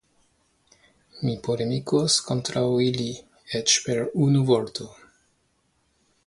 Mi polemikos kontraŭ ili eĉ per unu vorto.